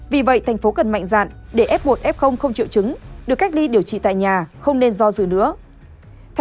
vì vậy thành phố cần mạnh dạn để f một f không triệu chứng được cách ly điều trị tại nhà không nên do dự nữa